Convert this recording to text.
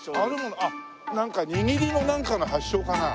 なんか握りのなんかの発祥かな？